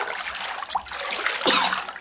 تور مېږي وه، سره مېږي وه، ښانګور وه.